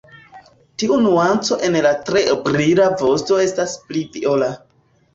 Tiu nuanco en la tre brila vosto estas pli viola.